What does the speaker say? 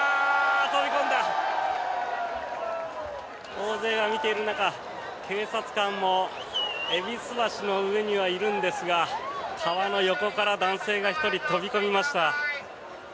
大勢が見ている中警察官も戎橋の上にはいるんですが川の横から男性が１人飛び込みました。